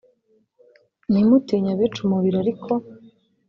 ntimutinye abica umubiri ariko